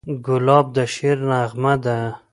ګلاب د شعر نغمه ده.